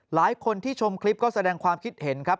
หลายคนที่ชมคลิปก็แสดงความคิดเห็นครับ